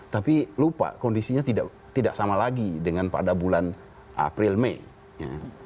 tapi lupa kondisinya tidak sama lagi dengan pada bulan april mei ya